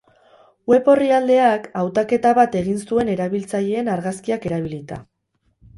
Web orrialdeak hautaketa bat egin zuen erabiltzaileen argazkiak erabilita.